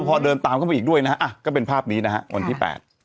พอเดินตามเข้าไปอีกด้วยนะฮะอ่ะก็เป็นภาพนี้นะฮะวันที่๘